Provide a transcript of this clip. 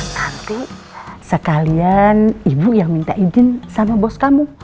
tapi sekalian ibu yang minta izin sama bos kamu